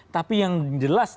tapi yang jelas